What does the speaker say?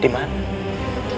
tidak ada yang tahu